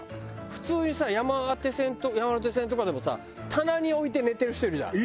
普通にさ山手線とかでもさ棚に置いて寝てる人いるじゃん。